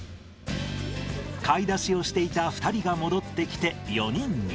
買い出しをしていた２人が戻ってきて、４人に。